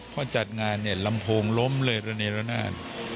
พอจัดงานหลำโพงลมเลยแน่นาน